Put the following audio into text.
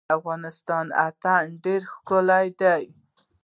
د افغانستان اتن ډیر ښکلی دی